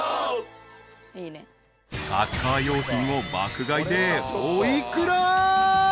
［サッカー用品を爆買いでお幾ら？］